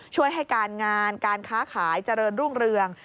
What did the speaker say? ช่วยให้การงานการค้าขายเจริญรุ่งเรือง